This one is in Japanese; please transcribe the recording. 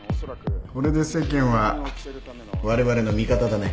これで世間はわれわれの味方だね。